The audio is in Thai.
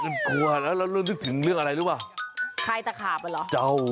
ลืมถึงเรื่องอะไรหรือเปล่า